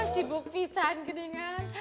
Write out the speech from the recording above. sibuk pisahan gedengan